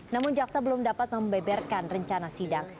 namun jaksa belum dapat membeberkan rencana sidang